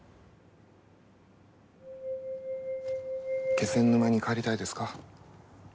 気仙沼に帰りたいですか？